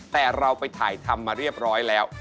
แต่เราไปถ่ายทำมาเรียบร้อยแล้ว